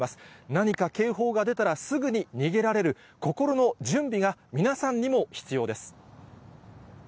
何か警報が出たら、すぐに逃げられる心の準備が皆さんにも必要です。